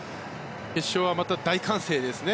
決勝はまた大歓声ですね。